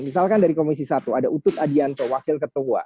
misalkan dari komisi satu ada utut adianto wakil ketua